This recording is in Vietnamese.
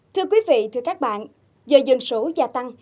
thưa quý vị thưa các bạn do dân số gia tăng